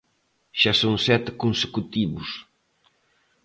Xa son sete consecutivos.